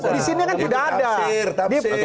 di sini kan sudah ada